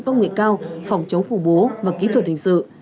công nghệ cao phòng chống khủng bố và kỹ thuật hình sự